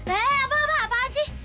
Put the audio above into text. eh abah abah apaan sih